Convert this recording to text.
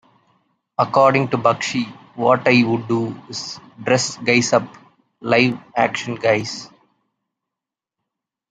According to Bakshi, What I would do is dress guys up, live-action guys.